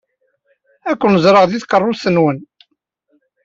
Ad ken-ẓṛeɣ deg tkeṛṛust-nwen.